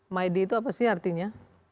maidi itu apa sih artinya